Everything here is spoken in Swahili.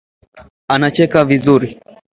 Anacheka vizuri